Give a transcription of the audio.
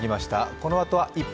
このあとは「１分！